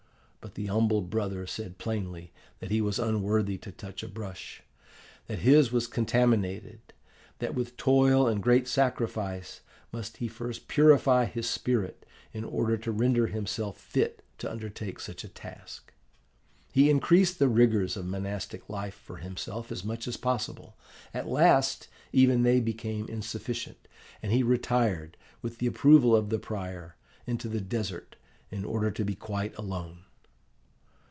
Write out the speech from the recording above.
But the humble brother said plainly that he was unworthy to touch a brush, that his was contaminated, that with toil and great sacrifice must he first purify his spirit in order to render himself fit to undertake such a task. He increased the rigours of monastic life for himself as much as possible. At last, even they became insufficient, and he retired, with the approval of the prior, into the desert, in order to be quite alone.